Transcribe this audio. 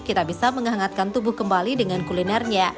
kita bisa menghangatkan tubuh kembali dengan kulinernya